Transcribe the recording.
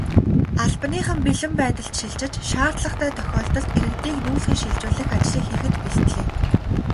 Албаныхан бэлэн байдалд шилжиж, шаардлагатай тохиолдолд иргэдийг нүүлгэн шилжүүлэх ажлыг хийхэд бэлдлээ.